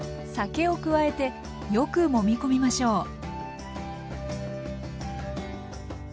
酒を加えてよくもみ込みましょう。